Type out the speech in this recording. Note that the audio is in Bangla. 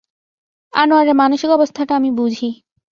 আনোয়ারের মানসিক অবস্থাটা আমি বুঝি।